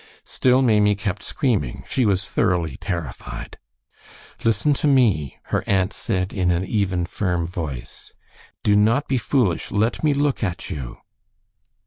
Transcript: Still Maimie kept screaming. She was thoroughly terrified. "Listen to me," her aunt said, in an even, firm voice. "Do not be foolish. Let me look at you."